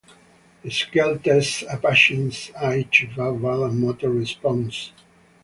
The scale tests a patient's eye, verbal, and motor responses.